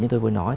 như tôi vừa nói